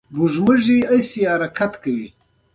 ایا ستاسو ناکامي د زده کړې سبب نه شوه؟